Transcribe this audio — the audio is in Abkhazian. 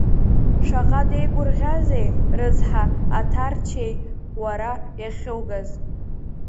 Шаҟа деигәырӷьазеи, рыцҳа, аҭарчеи уара иахьугаз.